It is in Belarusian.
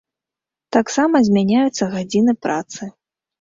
Таксама змяняюцца гадзіны працы.